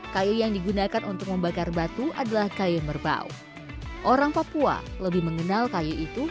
kayu yang digunakan untuk membakar batu adalah kayu merbau orang papua lebih mengenal kayu itu